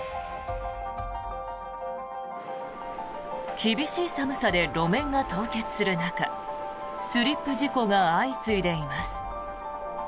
厳しい寒さで路面が凍結する中スリップ事故が相次いでいます。